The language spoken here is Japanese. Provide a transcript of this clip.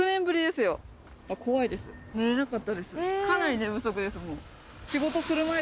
かなり寝不足ですもう。